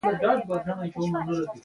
لکه ګلدان چې ګلان نه لري .